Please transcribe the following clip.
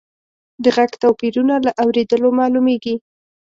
د غږ توپیرونه له اورېدلو معلومیږي.